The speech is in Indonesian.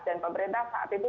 dan pemerintah saat itu